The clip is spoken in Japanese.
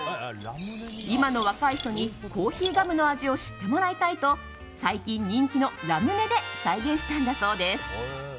今の若い人にコーヒーガムの味を知ってもらいたいと最近、人気のラムネで再現したんだそうです。